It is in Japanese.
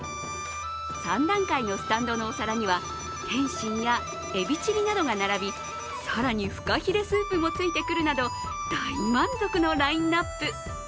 ３段階のスタンドのお皿には点心やエビチリなどが並び更にフカヒレスープもついてくるなど大満足のラインナップ。